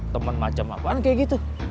teman macam apaan kayak gitu